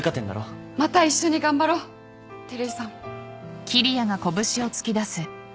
また一緒に頑張ろう照井さん。